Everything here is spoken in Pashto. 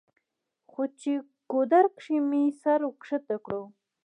خو چې ګودر کښې مې سر ورښکته کړو